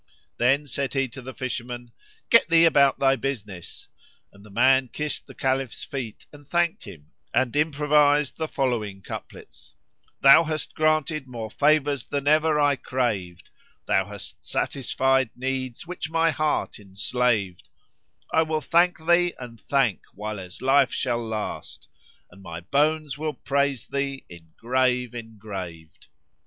Then said he to the fisherman, "Get thee about thy business!"; and the man kissed the Caliph's feet and thanked him and improvised the following couplets, "Thou hast granted more favours than ever I craved; * Thou hast satisfied needs which my heart enslaved: I will thank thee and thank whileas life shall last, * And my bones will praise thee in grave engraved!"